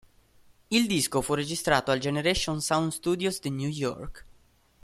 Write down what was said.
Il disco fu registrato al Generation Sound Studios di New York.